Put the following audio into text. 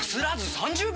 ３０秒！